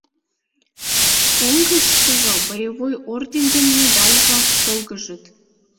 Оҥыштыжо боевой орден ден медаль-влак чолгыжыт.